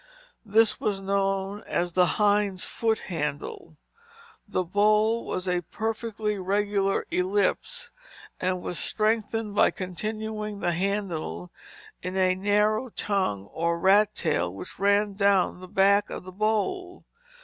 This was known as the "hind's foot handle." The bowl was a perfectly regular ellipse and was strengthened by continuing the handle in a narrow tongue or rat tail, which ran down the back of the bowl.